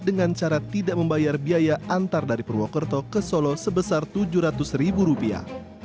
dengan cara tidak membayar biaya antar dari purwokerto ke solo sebesar tujuh ratus ribu rupiah